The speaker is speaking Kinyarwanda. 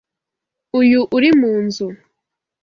Uyu uri munzu.